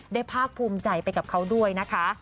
ภาคภูมิใจไปกับเขาด้วยนะคะ